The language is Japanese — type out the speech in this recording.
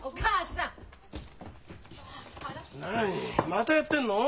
またやってんの？